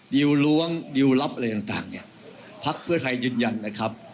ดิวล้วงดิวลับอะไรต่างเนี่ยพักเพื่อไทยยืนยันนะครับ